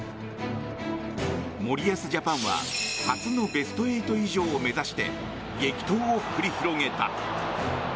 森保ジャパンは初のベスト８以上を目指して激闘を繰り広げた。